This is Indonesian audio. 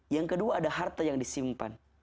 yang kedua ada harta yang disimpan